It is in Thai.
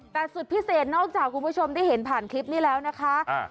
แต่สุดพิเศษนอกจากคุณผู้ชมได้เห็นผ่านคลิปนี้แล้วนะคะ